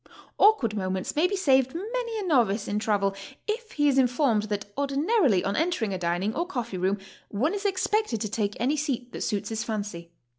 Awkward moments may be saved many a novice in travel if he is informed that ordinarily on entering a dining or coffee room one is expected to take any seat that suits his fancy.